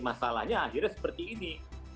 masalahnya akhirnya seperti ini